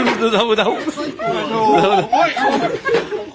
หนูไม่อยู่นายแล้ว